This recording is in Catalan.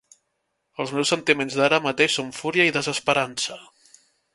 Els meus sentiments d'ara mateix són fúria i desesperança.